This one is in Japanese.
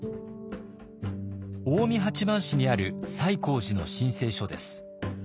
近江八幡市にある西光寺の申請書です。